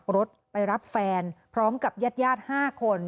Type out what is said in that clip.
รถไปรับแฟนพร้อมกับญาติ๕คน